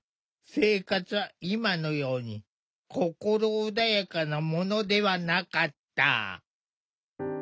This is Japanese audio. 生活は今のように心穏やかなものではなかった。